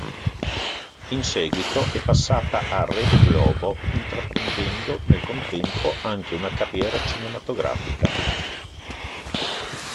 In seguito è passata a Rede Globo, intraprendendo nel contempo anche una carriera cinematografica.